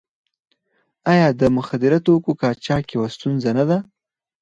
آیا د مخدره توکو قاچاق یوه ستونزه نه ده؟